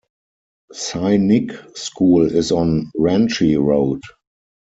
Sainik School is on Ranchi Road.